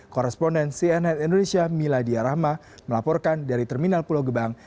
koresponden cnn indonesia miladia rahma melaporkan dari terminal pulau gebang